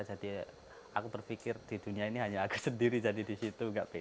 jadi aku berpikir di dunia ini hanya aku sendiri jadi di situ nggak pede gitu